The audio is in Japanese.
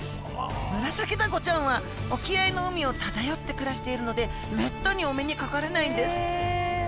ムラサキダコちゃんは沖合の海を漂って暮らしているのでめったにお目にかかれないんです。